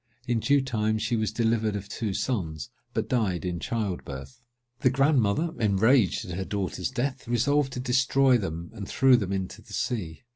In due time she was delivered of two sons, but died in child birth. The grandmother, enraged at her daughter's death, resolved to destroy them, and threw them into the sea.